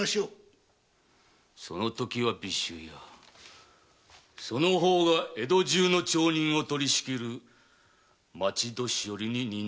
そのときは尾州屋その方が江戸中の町人を取りしきる町年寄に任ぜられよう。